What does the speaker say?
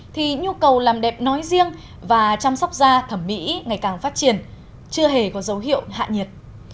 thì nhu cầu làm đẹp nói riêng và chăm sóc da thẩm mỹ ngày càng phát triển chưa hề có dấu hiệu hạ nhiệt